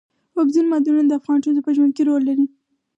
اوبزین معدنونه د افغان ښځو په ژوند کې رول لري.